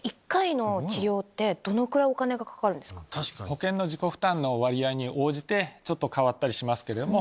保険の自己負担の割合に応じてちょっと変わったりしますけど。